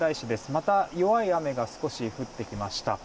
また弱い雨が少し降ってきました。